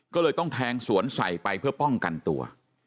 ก็เลยต้องแทงสวนใส่ไปเพื่อป้องกันตัว